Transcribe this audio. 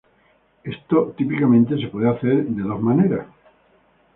Esto típicamente se puede hacer de dos maneras.